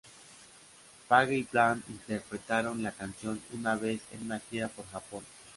Page y Plant interpretaron la canción una vez en una gira por Japón.